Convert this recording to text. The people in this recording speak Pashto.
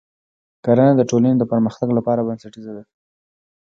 کرنه د ټولنې د پرمختګ لپاره بنسټیزه ده.